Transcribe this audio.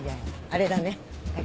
あれだね。